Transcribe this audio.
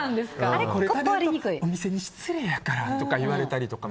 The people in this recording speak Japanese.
お店に失礼やからとか言われたりとか。